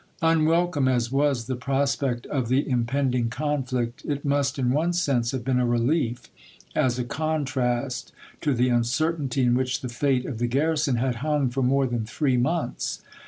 i . p eo. Unwelcome as was the prospect of the impend ing conflict, it must in one sense have been a relief as a contrast to the uncertainty in which the fate of the garrison had hung for more than three months.